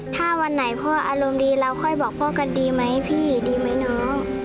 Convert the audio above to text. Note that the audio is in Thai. ถ้าวันไหนพ่ออารมณ์ดีแล้วค่อยบอกพ่อกันดีมั้ยพี่ดีมั้ยน้อง